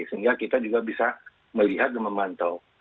sehingga kita juga bisa melihat dan memantau